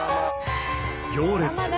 「行列」